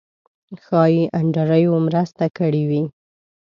ښایي انډریو مرسته کړې وي.